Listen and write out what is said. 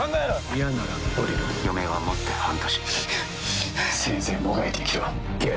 嫌ならおりろ余命はもって半年せいぜいもがいて生きろ